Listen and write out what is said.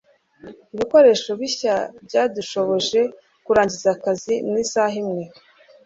ibikoresho bishya byadushoboje kurangiza akazi mu isaha imwe